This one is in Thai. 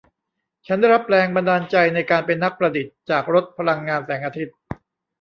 ฉันได้รับแรงบันดาลใจในการเป็นนักประดิษฐ์จากรถพลังงานแสงอาทิตย์